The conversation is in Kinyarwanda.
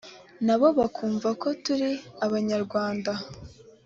nabo bakumva ko turi abanyamwanda